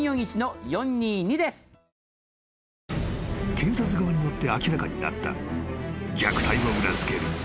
［検察側によって明らかになった］